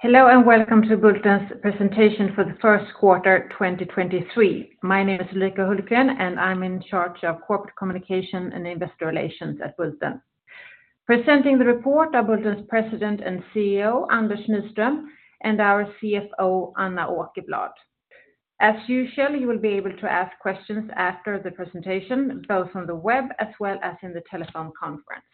Hello, and welcome to Bulten's presentation for the first quarter, 2023. My name is Ulrika Hultgren, and I'm in charge of corporate communication and investor relations at Bulten. Presenting the report are Bulten's President and CEO, Anders Nyström, and our CFO, Anna Åkerblad. As usual, you will be able to ask questions after the presentation, both on the web as well as in the telephone conference.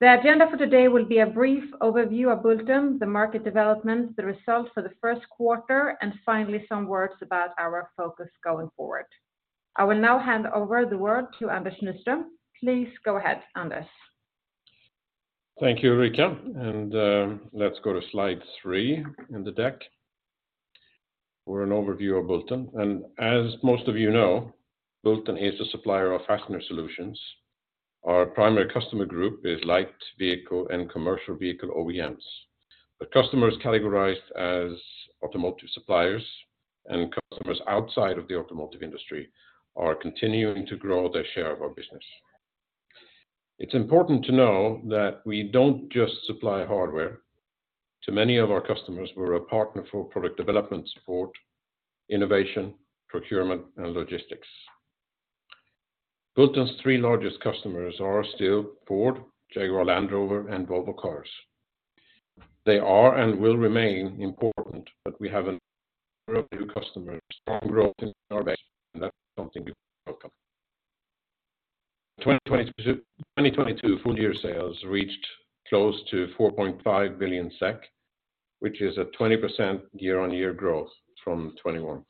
The agenda for today will be a brief overview of Bulten, the market development, the results for the first quarter, and finally, some words about our focus going forward. I will now hand over the word to Anders Nyström. Please go ahead, Anders. Thank you, Ulrika, and let's go to slide three in the deck for an overview of Bulten. As most of you know, Bulten is a supplier of fastener solutions. Our primary customer group is light vehicle and commercial vehicle OEMs, but customers categorized as automotive suppliers and customers outside of the automotive industry are continuing to grow their share of our business. It's important to know that we don't just supply hardware. To many of our customers, we're a partner for product development support, innovation, procurement, and logistics. Bulten's three largest customers are still Ford, Jaguar Land Rover, and Volvo Cars. They are and will remain important, but we have a group of new customers, strong growth in our base, and that's something we welcome. 2022 full year sales reached close to 4.5 billion SEK, which is a 20% year-on-year growth from 2021.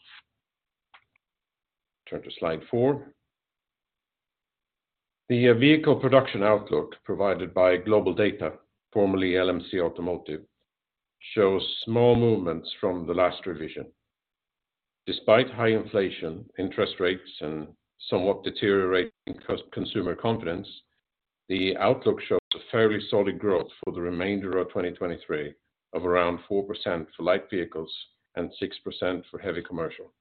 Turn to slide four. The vehicle production outlook provided by GlobalData, formerly LMC Automotive, shows small movements from the last revision. Despite high inflation, interest rates, and somewhat deteriorating consumer confidence, the outlook shows a fairly solid growth for the remainder of 2023 of around 4% for light vehicles and 6% for heavy commercial.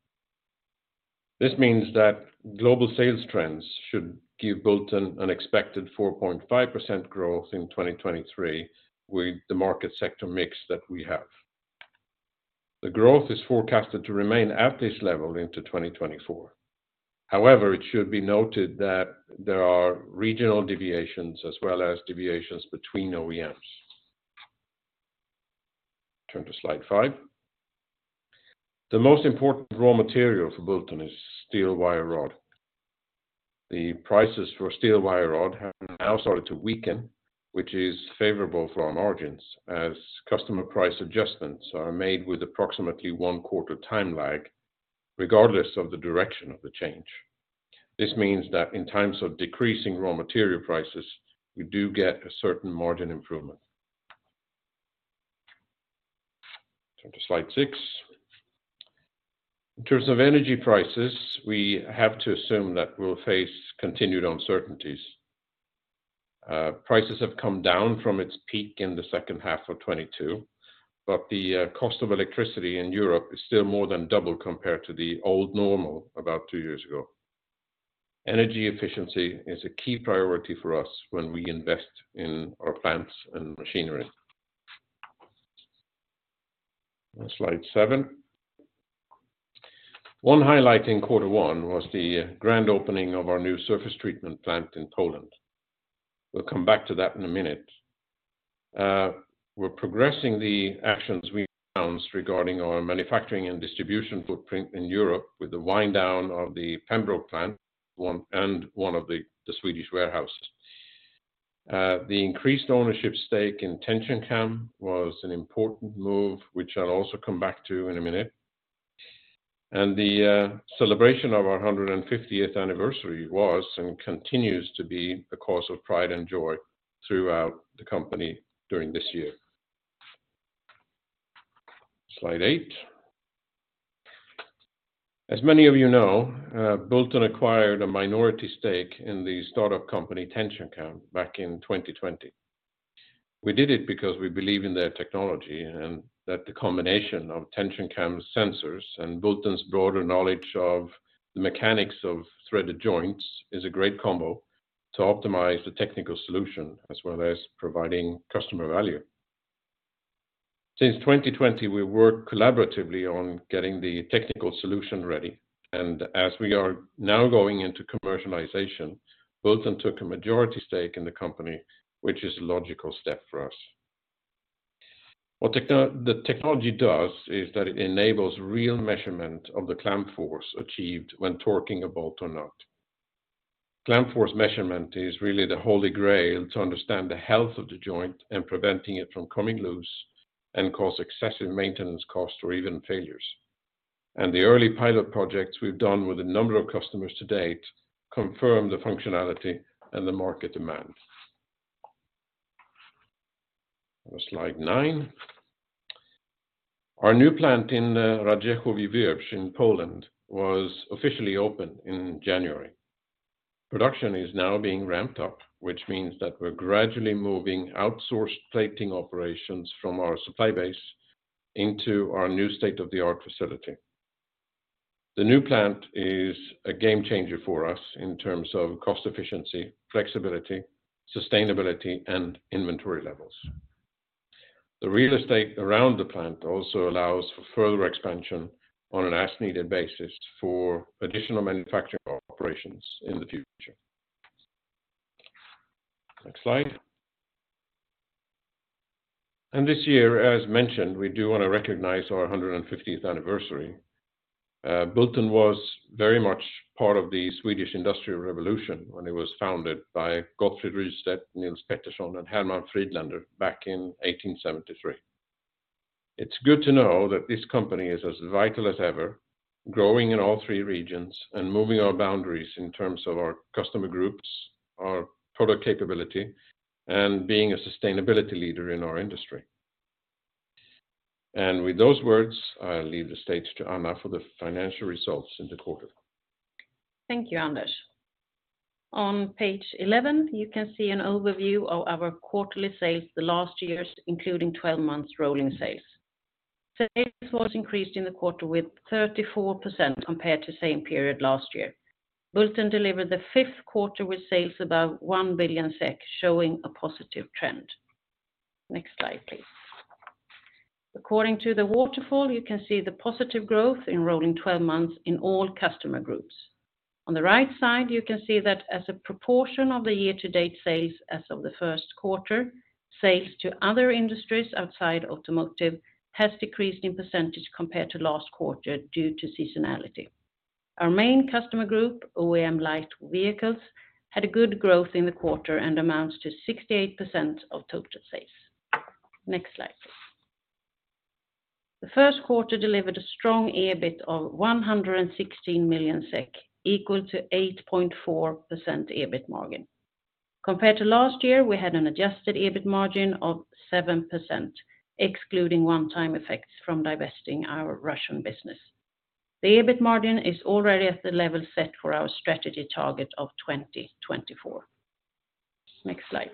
This means that global sales trends should give Bulten an expected 4.5% growth in 2023 with the market sector mix that we have. The growth is forecasted to remain at this level into 2024. It should be noted that there are regional deviations as well as deviations between OEMs. Turn to slide five. The most important raw material for Bulten is steel wire rod. The prices for steel wire rod have now started to weaken, which is favorable for our margins as customer price adjustments are made with approximately one-quarter time lag regardless of the direction of the change. This means that in times of decreasing raw material prices, we do get a certain margin improvement. Turn to slide six. In terms of energy prices, we have to assume that we'll face continued uncertainties. Prices have come down from its peak in the second half of 2022, but the cost of electricity in Europe is still more than double compared to the old normal about 2 years ago. Energy efficiency is a key priority for us when we invest in our plants and machinery. Slide seven. One highlight in quarter 1 was the grand opening of our new surface treatment plant in Poland. We'll come back to that in a minute. We're progressing the actions we announced regarding our manufacturing and distribution footprint in Europe with the wind down of the Pembroke plant and one of the Swedish warehouses. The increased ownership stake in TensionCam was an important move, which I'll also come back to in a minute. The celebration of our 150th anniversary was and continues to be a cause of pride and joy throughout the company during this year. Slide eight. As many of you know, Bulten acquired a minority stake in the startup company, TensionCam, back in 2020. We did it because we believe in their technology, and that the combination of TensionCam sensors and Bulten's broader knowledge of the mechanics of threaded joints is a great combo to optimize the technical solution, as well as providing customer value. Since 2020, we worked collaboratively on getting the technical solution ready, and as we are now going into commercialization, Bulten took a majority stake in the company, which is a logical step for us. The technology does is that it enables real measurement of the clamp force achieved when torquing a bolt or nut. Clamp force measurement is really the Holy Grail to understand the health of the joint and preventing it from coming loose and cause excessive maintenance costs or even failures. The early pilot projects we've done with a number of customers to date confirm the functionality and the market demand. Slide nine. Our new plant in Radziechowy-Wieprz in Poland was officially opened in January. Production is now being ramped up, which means that we're gradually moving outsourced plating operations from our supply base into our new state-of-the-art facility. The new plant is a game changer for us in terms of cost efficiency, flexibility, sustainability, and inventory levels. The real estate around the plant also allows for further expansion on an as-needed basis for additional manufacturing operations in the future. Next slide. This year, as mentioned, we do wanna recognize our 150th anniversary. Bulten was very much part of the Swedish Industrial Revolution when it was founded by Gottfried Rystedt, Nils Pettersson, and Herman Friedländer back in 1873. It's good to know that this company is as vital as ever, growing in all three regions and moving our boundaries in terms of our customer groups, our product capability, and being a sustainability leader in our industry. With those words, I'll leave the stage to Anna for the financial results in the quarter. Thank you, Anders. On Page 11, you can see an overview of our quarterly sales the last years, including 12 months rolling sales. Sales was increased in the quarter with 34% compared to same period last year. Bulten delivered the fifth quarter with sales above 1 billion SEK, showing a positive trend. Next slide, please. According to the waterfall, you can see the positive growth in rolling 12 months in all customer groups. On the right side, you can see that as a proportion of the year-to-date sales as of the first quarter, sales to other industries outside automotive has decreased in percentage compared to last quarter due to seasonality. Our main customer group, OEM Light Vehicles, had a good growth in the quarter and amounts to 68% of total sales. Next slide. The first quarter delivered a strong EBIT of 116 million SEK, equal to 8.4% EBIT margin. Compared to last year, we had an adjusted EBIT margin of 7%, excluding one-time effects from divesting our Russian business. The EBIT margin is already at the level set for our strategy target of 2024. Next slide.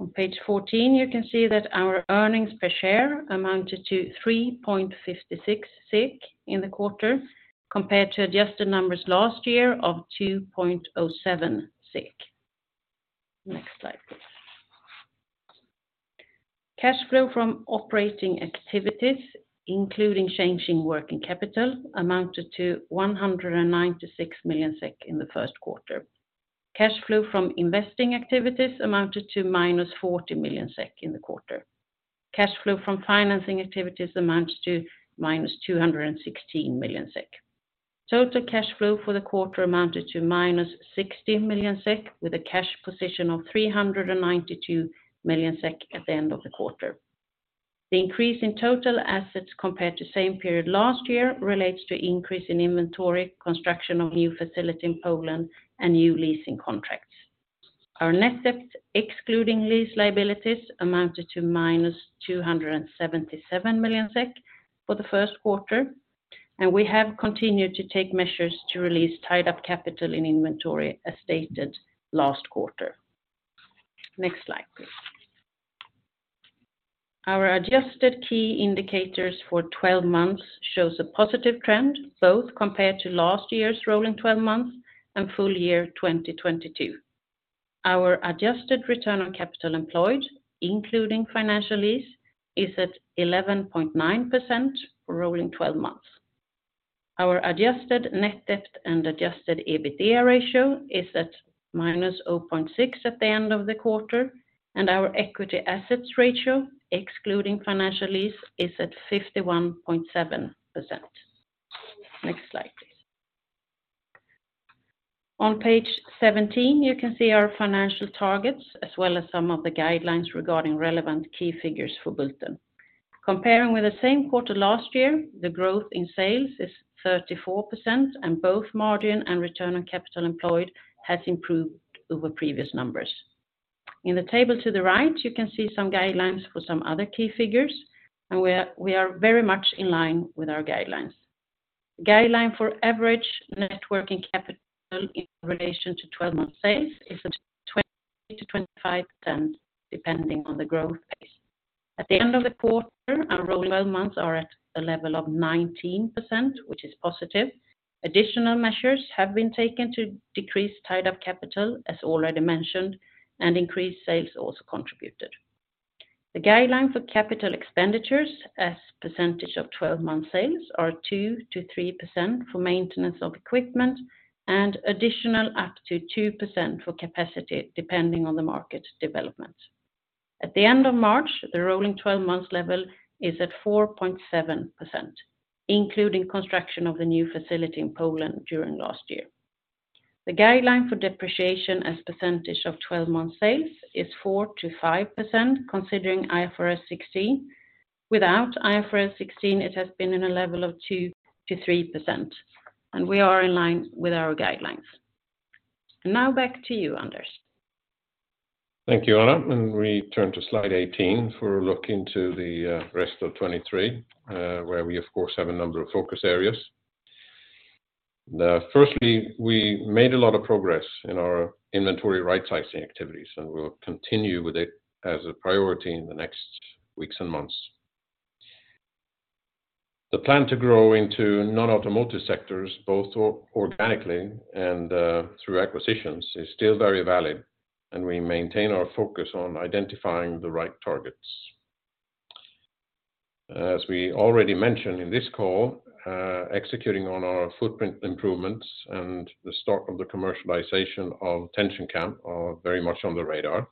On Page 14, you can see that our earnings per share amounted to 3.56 in the quarter compared to adjusted numbers last year of 2.07. Next slide, please. Cash flow from operating activities, including changing working capital, amounted to 196 million SEK in the first quarter. Cash flow from investing activities amounted to -40 million SEK in the quarter. Cash flow from financing activities amounts to -216 million SEK. Total cash flow for the quarter amounted to -60 million SEK with a cash position of 392 million SEK at the end of the quarter. The increase in total assets compared to same period last year relates to increase in inventory, construction of new facility in Poland, and new leasing contracts. Our net debt, excluding lease liabilities, amounted to -277 million SEK for the first quarter. We have continued to take measures to release tied-up capital in inventory as stated last quarter. Next slide, please. Our adjusted key indicators for 12 months shows a positive trend, both compared to last year's rolling 12 months and full year 2022. Our adjusted return on capital employed, including financial lease, is at 11.9% for rolling 12 months. Our adjusted net debt and adjusted EBITDA ratio is at -0.6 at the end of the quarter, and our equity assets ratio, excluding financial lease, is at 51.7%. Next slide, please. On Page 17, you can see our financial targets as well as some of the guidelines regarding relevant key figures for Bulten. Comparing with the same quarter last year, the growth in sales is 34%, and both margin and return on capital employed has improved over previous numbers. In the table to the right, you can see some guidelines for some other key figures, and we are very much in line with our guidelines. The guideline for average net working capital in relation to 12 months sales is at 20%-25%, depending on the growth pace. At the end of the quarter, our rolling 12 months are at a level of 19%, which is positive. Additional measures have been taken to decrease tied up capital, as already mentioned. Increased sales also contributed. The guideline for capital expenditures as percentage of 12-month sales are 2%-3% for maintenance of equipment and additional up to 2% for capacity depending on the market development. At the end of March, the rolling 12 months level is at 4.7%, including construction of the new facility in Poland during last year. The guideline for depreciation as percentage of 12-month sales is 4%-5% considering IFRS 16. Without IFRS 16, it has been in a level of 2%-3%. We are in line with our guidelines. Now back to you, Anders. Thank you, Anna. We turn to Slide 18 for a look into the rest of 2023, where we of course have a number of focus areas. Now firstly, we made a lot of progress in our inventory rightsizing activities, and we'll continue with it as a priority in the next weeks and months. The plan to grow into non-automotive sectors, both organically and through acquisitions, is still very valid, and we maintain our focus on identifying the right targets. As we already mentioned in this call, executing on our footprint improvements and the start of the commercialization of TensionCam are very much on the radar.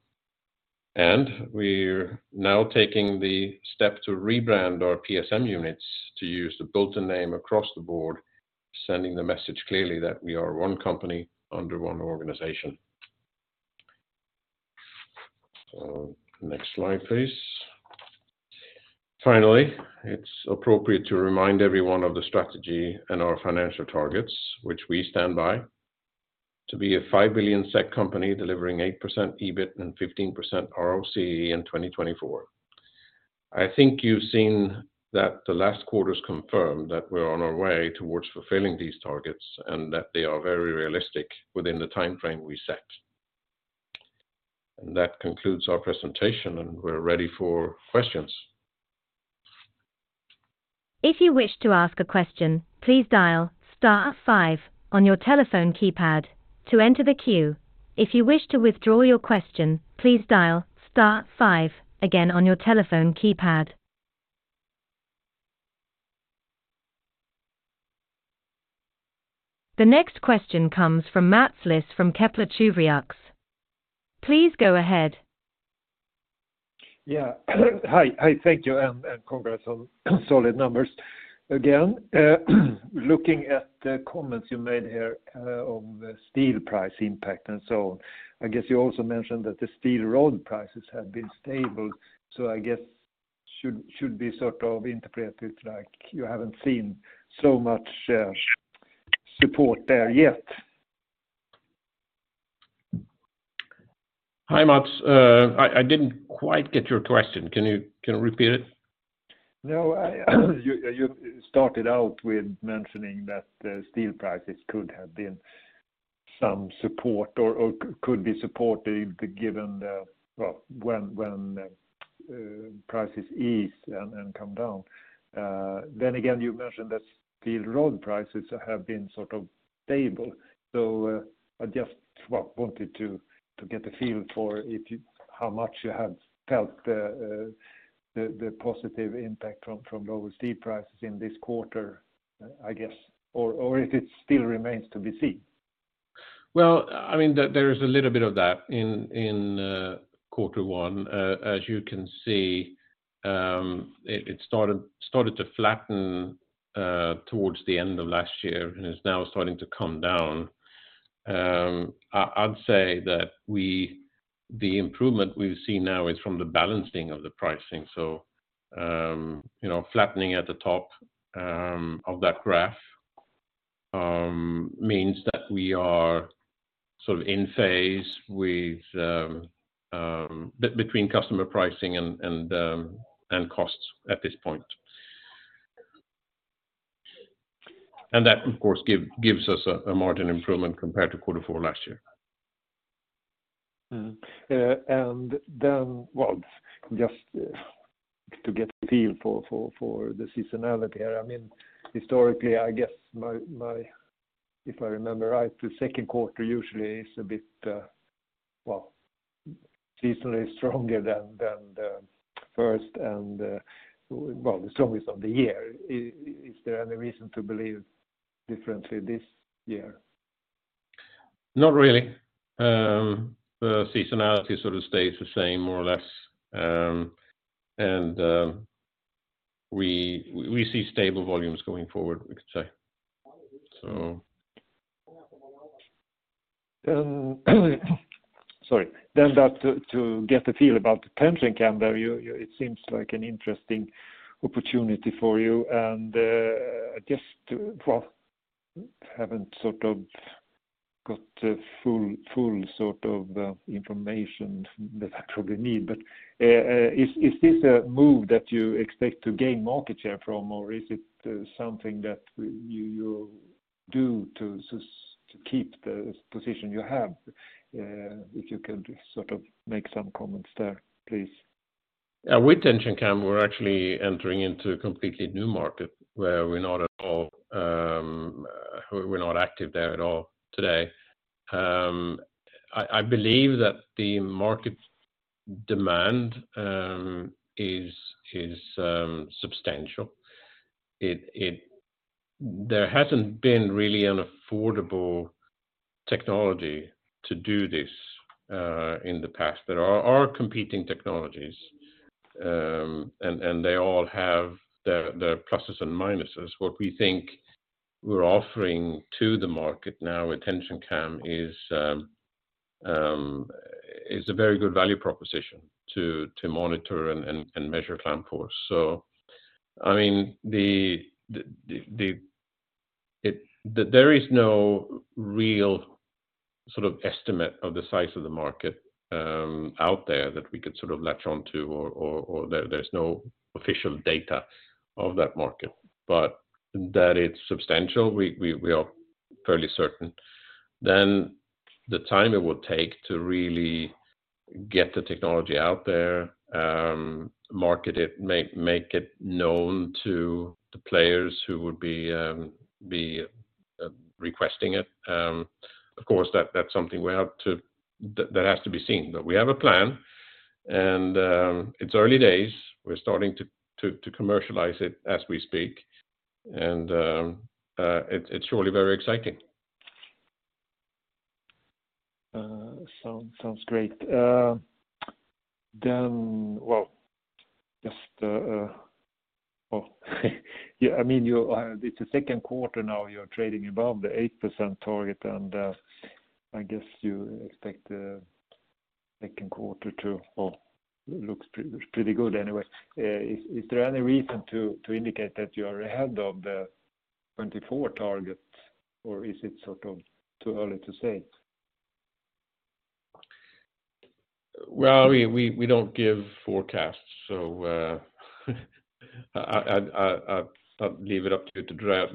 We're now taking the step to rebrand our PSM units to use the Bulten name across the board, sending the message clearly that we are one company under one organization. Next slide, please. Finally, it's appropriate to remind everyone of the strategy and our financial targets, which we stand by to be a 5 billion SEK company delivering 8% EBIT and 15% ROCE in 2024. I think you've seen that the last quarters confirm that we're on our way towards fulfilling these targets and that they are very realistic within the timeframe we set. That concludes our presentation, and we're ready for questions. If you wish to ask a question, please dial star five on your telephone keypad to enter the queue. If you wish to withdraw your question, please dial star five again on your telephone keypad. The next question comes from Mats Liss from Kepler Cheuvreux. Please go ahead. Hi. Hi. Thank you, and congrats on solid numbers again. Looking at the comments you made here on the steel price impact and so on, I guess you also mentioned that the steel rod prices have been stable, I guess should be sort of interpreted like you haven't seen so much support there yet. Hi, Mats. I didn't quite get your question. Can you repeat it? No, I started out with mentioning that steel prices could have been some support or could be supportive given the. Well, when prices ease and come down. Again, you mentioned that steel rod prices have been sort of stable. I just, well, wanted to get a feel for how much you have felt the positive impact from lower steel prices in this quarter, I guess, or if it still remains to be seen. Well, I mean, there is a little bit of that in quarter one. As you can see, it started to flatten towards the end of last year and is now starting to come down. I'd say that the improvement we've seen now is from the balancing of the pricing. You know, flattening at the top of that graph means that we are sort of in phase with between customer pricing and costs at this point. That of course gives us a margin improvement compared to quarter four last year. Mm-hmm. Well, just to get a feel for the seasonality here, I mean, historically, I guess my... If I remember right, the second quarter usually is a bit, well, seasonally stronger than the first and, well, the strongest of the year. Is there any reason to believe differently this year? Not really. The seasonality sort of stays the same, more or less. We see stable volumes going forward, we could say. Sorry. That to get a feel about the TensionCam there. It seems like an interesting opportunity for you. Well, haven't sort of got the full sort of information that I probably need. Is this a move that you expect to gain market share from, or is it something that you do to keep the position you have? If you could sort of make some comments there, please. Yeah. With TensionCam, we're actually entering into a completely new market where we're not at all, we're not active there at all today. I believe that the market demand is substantial. There hasn't been really an affordable technology to do this in the past. There are competing technologies, and they all have their pluses and minuses. What we think we're offering to the market now with TensionCam is a very good value proposition to monitor and measure clamp force. I mean, there is no real sort of estimate of the size of the market out there that we could sort of latch on to or there's no official data of that market. That it's substantial, we are fairly certain. The time it will take to really get the technology out there, market it, make it known to the players who would be requesting it, of course, that has to be seen. We have a plan and it's early days. We're starting to commercialize it as we speak and it's surely very exciting. Sounds great. Well, just, yeah, I mean, you it's the second quarter now you're trading above the 8% target, I guess you expect the second quarter to, well, look pretty good anyway. Is there any reason to indicate that you're ahead of the 2024 target or is it sort of too early to say? We don't give forecasts. I'll leave it up to you to drive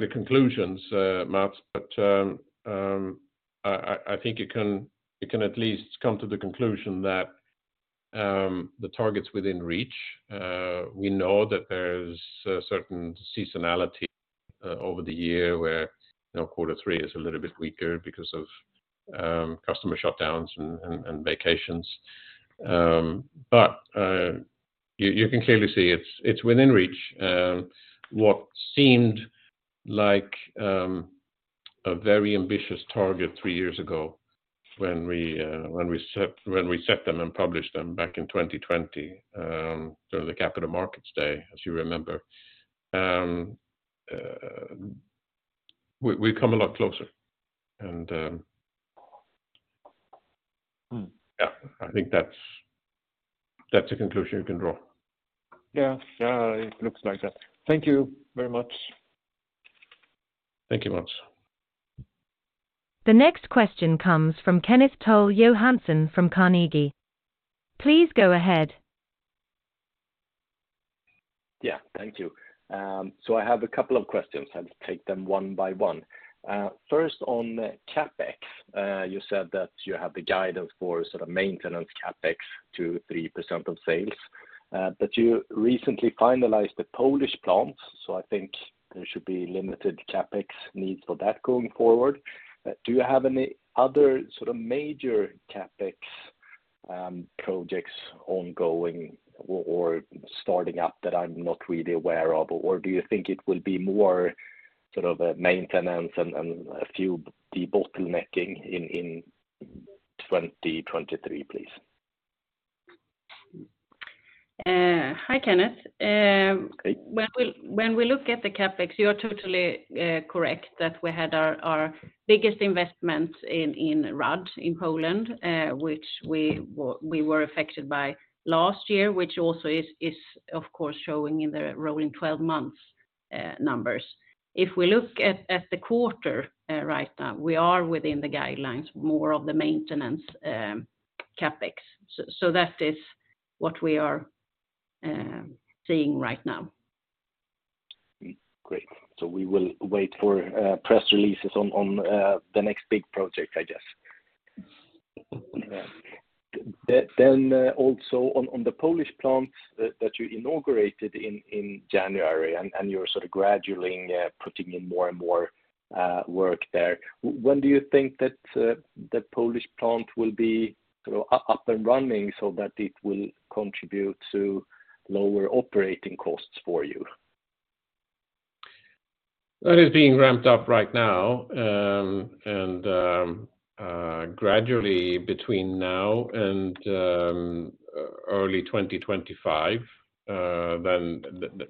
the conclusions, Mats. I think you can at least come to the conclusion that the target's within reach. We know that there's a certain seasonality over the year where, you know, quarter three is a little bit weaker because of customer shutdowns and vacations. You can clearly see it's within reach. What seemed like a very ambitious target three years ago when we set them and published them back in 2020 during the Capital Markets Day, as you remember, we've come a lot closer. Mm. Yeah, I think that's a conclusion you can draw. Yeah. Yeah, it looks like that. Thank you very much. Thank you, Mats. The next question comes from Kenneth Toll Johansson from Carnegie. Please go ahead. Yeah. Thank you. I have a couple of questions. I'll take them one by one. First on CapEx. You said that you have the guidance for sort of maintenance CapEx to 3% of sales, but you recently finalized the Polish plants, so I think there should be limited CapEx needs for that going forward. Do you have any other sort of major CapEx projects ongoing or starting up that I'm not really aware of? Or do you think it will be more sort of maintenance and a few debottlenecking in 2023, please? Hi, Kenneth. Hi. We look at the CapEx, you are totally correct that we had our biggest investment in Rad in Poland, which we were affected by last year, which also is of course showing in the rolling twelve months numbers. If we look at the quarter right now, we are within the guidelines, more of the maintenance CapEx. That is what we are seeing right now. Great. We will wait for press releases on the next big project, I guess. Yeah. Also on the Polish plants that you inaugurated in January and you're sort of gradually putting in more and more work there, when do you think that the Polish plant will be sort of up and running so that it will contribute to lower operating costs for you? That is being ramped up right now, and gradually between now and early 2025, then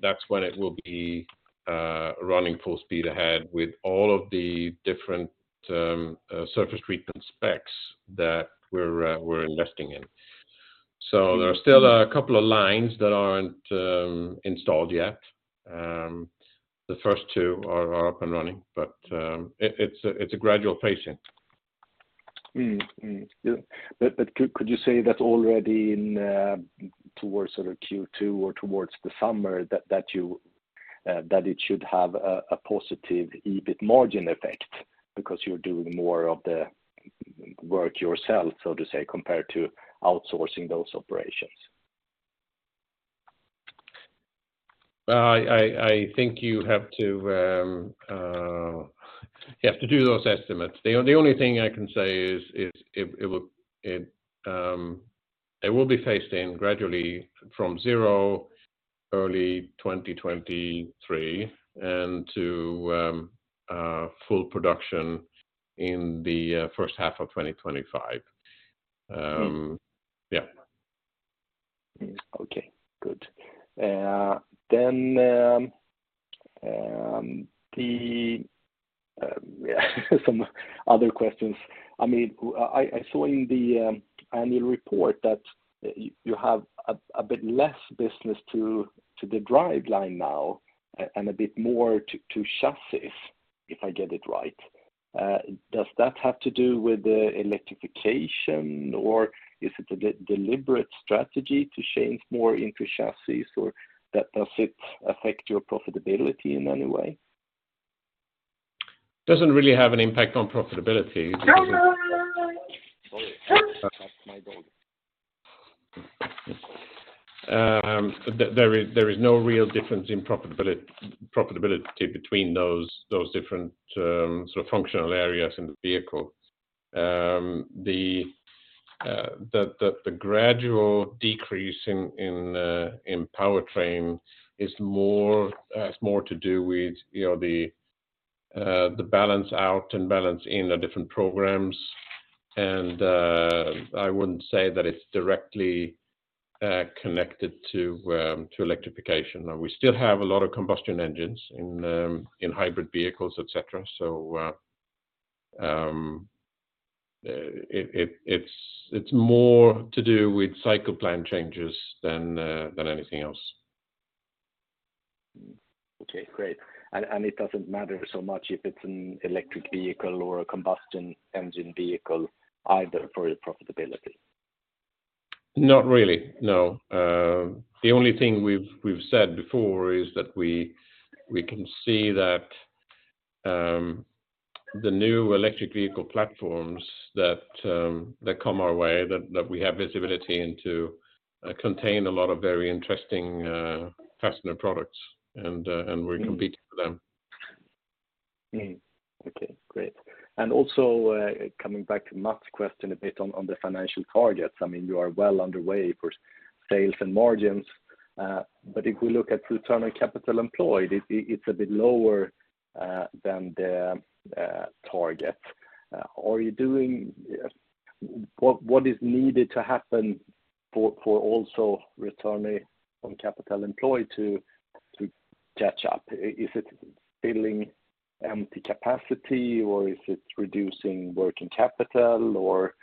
that's when it will be running full speed ahead with all of the different surface treatment specs that we're investing in. There are still a couple of lines that aren't installed yet. The first two are up and running, but it's a gradual phase in. Yeah. Could you say that already in towards sort of Q2 or towards the summer that you that it should have a positive EBIT margin effect because you're doing more of the work yourself, so to say, compared to outsourcing those operations? I think you have to, you have to do those estimates. The only thing I can say is it will be phased in gradually from zero early 2023 and to full production in the first half of 2025. Yeah. Okay. Good. The some other questions. I mean, I saw in the annual report that you have a bit less business to the driveline now and a bit more to chassis, if I get it right. Does that have to do with the electrification or is it a deliberate strategy to change more into chassis, or does it affect your profitability in any way? Doesn't really have an impact on profitability. Sorry, that's my dog. There is no real difference in profitability between those different sort of functional areas in the vehicle. The gradual decrease in powertrain is more, has more to do with, you know, the balance out and balance in the different programs. I wouldn't say that it's directly connected to electrification. We still have a lot of combustion engines in hybrid vehicles, et cetera. It's more to do with cycle plan changes than anything else. Okay, great. It doesn't matter so much if it's an electric vehicle or a combustion engine vehicle either for your profitability? Not really, no. The only thing we've said before is that we can see that the new electric vehicle platforms that come our way that we have visibility into, contain a lot of very interesting fastener products, and we're competing for them. Okay, great. Also, coming back to Mats' question a bit on the financial targets. I mean, you are well underway for sales and margins, but if we look at return on capital employed, it's a bit lower than the target. What is needed to happen for also return on capital employed to catch up? Is it filling empty capacity, or is it reducing working capital, or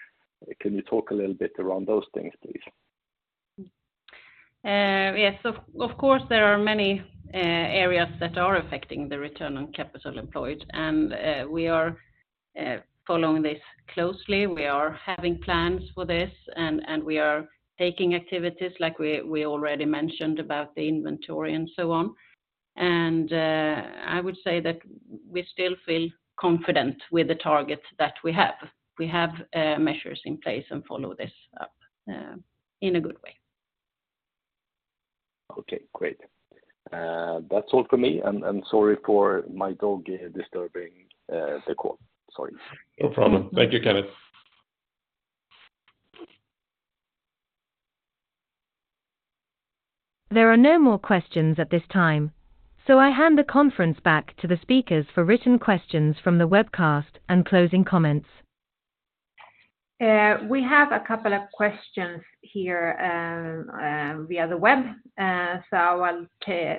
can you talk a little bit around those things, please? Yes. Of course, there are many areas that are affecting the return on capital employed, and we are following this closely. We are having plans for this, and we are taking activities like we already mentioned about the inventory and so on. I would say that we still feel confident with the targets that we have. We have measures in place and follow this up in a good way. Okay, great. That's all for me. I'm sorry for my dog disturbing the call. Sorry. No problem. Thank you, Kenneth. There are no more questions at this time, so I hand the conference back to the speakers for written questions from the webcast and closing comments. We have a couple of questions here via the web, so I'll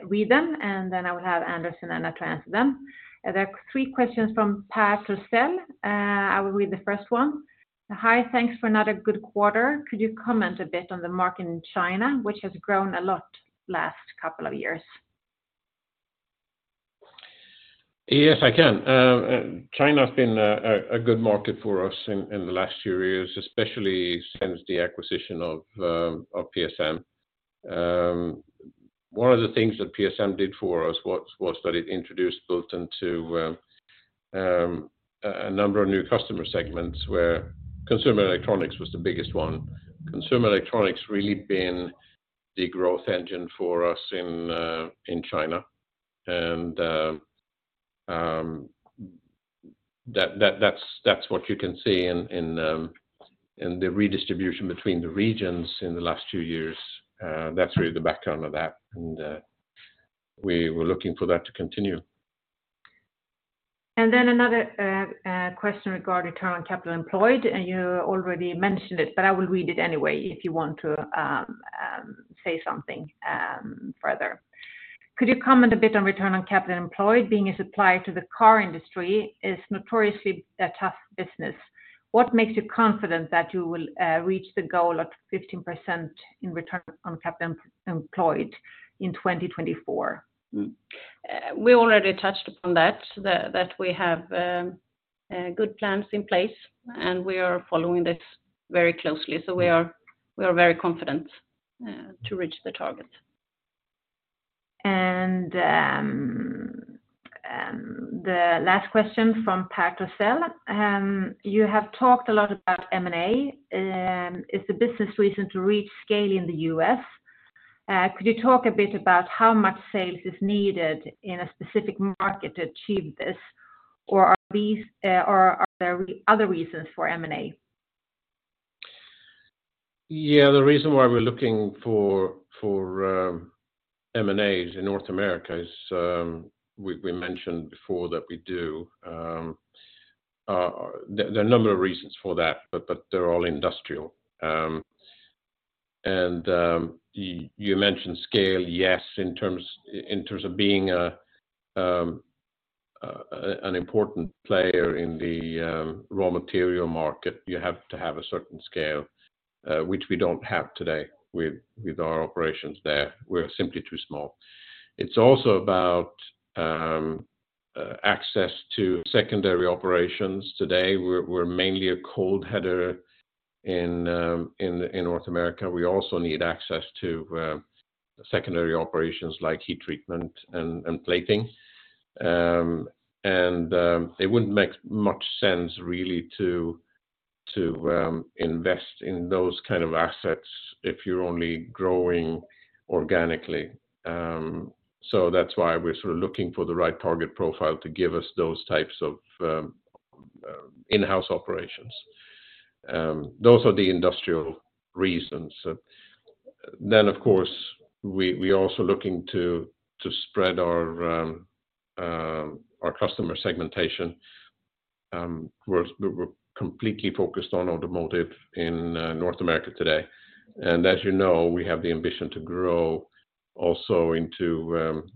read them, and then I will have Anderson and Anna transfer them. There are three questions from Patrik O. Rosell. I will read the first one. Hi, thanks for another good quarter. Could you comment a bit on the market in China, which has grown a lot last couple of years? Yes, I can. China's been a good market for us in the last few years, especially since the acquisition of PSM. One of the things that PSM did for us was that it introduced Bulten to a number of new customer segments where consumer electronics was the biggest one. Consumer electronics really been the growth engine for us in China. That's what you can see in the redistribution between the regions in the last two years. That's really the background of that, and we were looking for that to continue. Another question regarding return on capital employed, and you already mentioned it, but I will read it anyway if you want to say something further. Could you comment a bit on return on capital employed being a supplier to the car industry is notoriously a tough business. What makes you confident that you will reach the goal of 15% in return on capital employed in 2024? We already touched upon that we have good plans in place, and we are following this very closely. We are very confident to reach the target. The last question from Patrik O. Rosell. You have talked a lot about M&A. Is the business reason to reach scale in the U.S.? Could you talk a bit about how much sales is needed in a specific market to achieve this? Are there other reasons for M&A? The reason why we're looking for M&As in North America is we mentioned before that we do, there are a number of reasons for that, but they're all industrial. You mentioned scale, yes, in terms of being an important player in the raw material market, you have to have a certain scale. Which we don't have today with our operations there. We're simply too small. It's also about access to secondary operations. Today, we're mainly a cold header in North America. We also need access to secondary operations like heat treatment and plating. It wouldn't make much sense really to invest in those kind of assets if you're only growing organically. That's why we're sort of looking for the right target profile to give us those types of in-house operations. Those are the industrial reasons. Of course, we're also looking to spread our customer segmentation. We're completely focused on automotive in North America today. As you know, we have the ambition to grow also into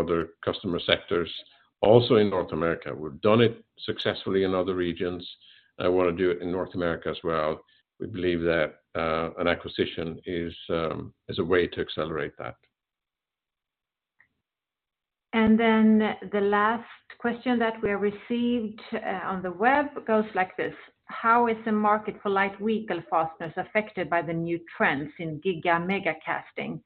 other customer sectors, also in North America. We've done it successfully in other regions. I wanna do it in North America as well. We believe that an acquisition is a way to accelerate that. The last question that we have received on the web goes like this: How is the market for light vehicle fasteners affected by the new trends in giga mega casting?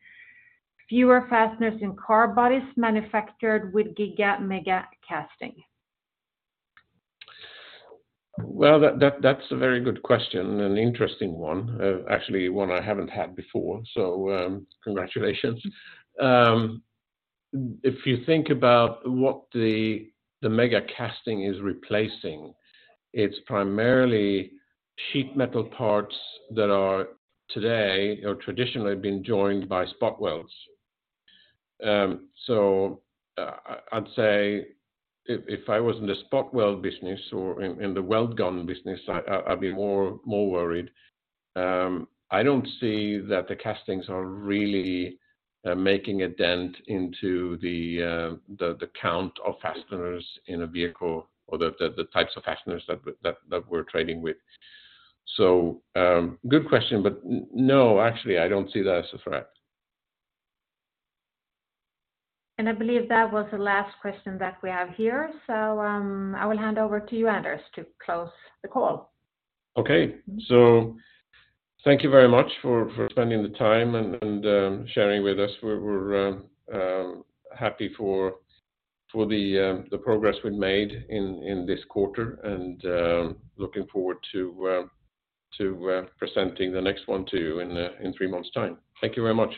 Fewer fasteners in car bodies manufactured with giga mega casting. That's a very good question, an interesting one, actually one I haven't had before, so, congratulations. If you think about what the mega casting is replacing, it's primarily sheet metal parts that are today or traditionally been joined by spot welds. I'd say if I was in the spot weld business or in the weld gun business, I'd be more worried. I don't see that the castings are really making a dent into the count of fasteners in a vehicle or the types of fasteners that we're trading with. Good question, but no, actually, I don't see that as a threat. I believe that was the last question that we have here. I will hand over to you, Anders, to close the call. Okay. Thank you very much for spending the time and sharing with us. We're happy for the progress we've made in this quarter, and looking forward to presenting the next one to you in three months' time. Thank you very much.